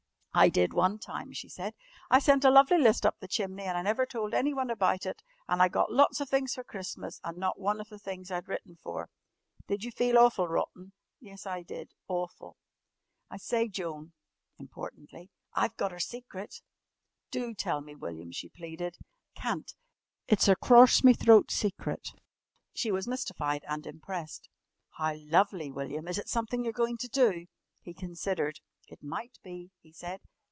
"I did one time," she said. "I sent a lovely list up the chimney and I never told anyone about it and I got lots of things for Christmas and not one of the things I'd written for!" "Did you feel awful rotten?" "Yes, I did. Awful." "I say, Joan," importantly, "I've gotter secret." "Do tell me, William!" she pleaded. "Can't. It's a crorse me throat secret!" She was mystified and impressed. "How lovely, William! Is it something you're going to do?" He considered. "It might be," he said.